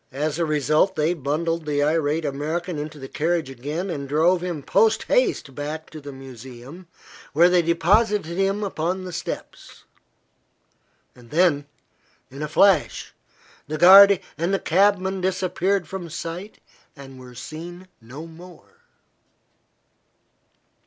As a result they bundled the irate American into the carriage again and drove him poste haste back to the museum, where they deposited him upon the steps. Then in a flash the guarde and the cabman disappeared from sight and were seen no more.